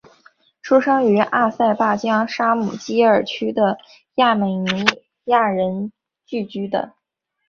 出生于阿塞拜疆沙姆基尔区的亚美尼亚人聚居的。